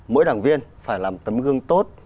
mỗi đảng viên phải làm tấm gương tốt